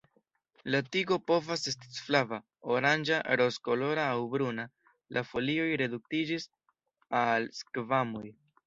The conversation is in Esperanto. La tigo povas estis flava, oranĝa, rozkolora aŭ bruna, la folioj reduktiĝis al skvamoj.